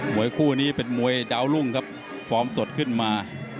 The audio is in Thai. วยคู่นี้เป็นมวยดาวรุ่งครับฟอร์มสดขึ้นมา